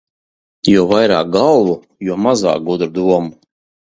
Jo vairāk galvu, jo mazāk gudru domu.